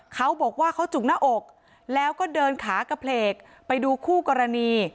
เขาบอกว่าเขาจุกหน้าอกแล้วก็เดินขากระเพลกไปดูคู่กรณี